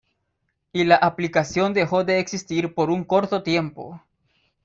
Y la aplicación dejó de existir por un corto tiempo.